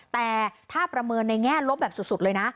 แต่ถ้าประเมินในแง่ลบแบบสุดเลยนะ